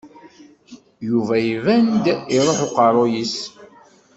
Yuba iban-d iṛuḥ uqerru-s.